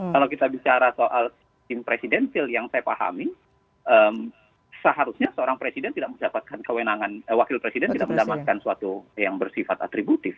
kalau kita bicara soal tim presidensil yang saya pahami seharusnya seorang presiden tidak mendapatkan kewenangan wakil presiden tidak mendapatkan suatu yang bersifat atributif